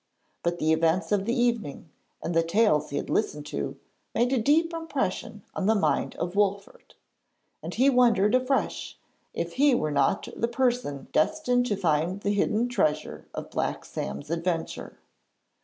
But the events of the evening, and the tales he had listened to, made a deep impression on the mind of Wolfert, and he wondered afresh if he were not the person destined to find the hidden treasure of Black Sam's adventure.